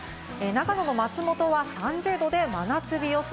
長野の松本は３０度で真夏日予想。